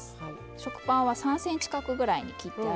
食パンは３ｃｍ角ぐらいに切ってあります。